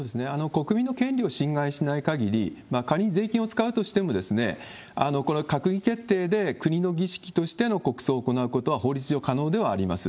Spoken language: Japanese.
国民の権利を侵害しないかぎり、仮に税金を使うとしても、この閣議決定で国の儀式としての国葬を行うことは法律上可能ではあります。